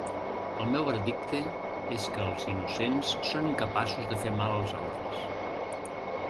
El meu veredicte és que els innocents són incapaços de fer mal als altres.